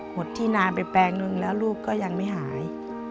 หมดที่นานไปแปลงนึงแล้วลูกก็ยังไม่หาย